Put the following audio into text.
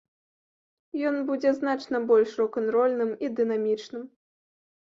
Ён будзе значна больш рок-н-рольным і дынамічным.